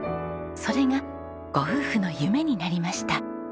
それがご夫婦の夢になりました。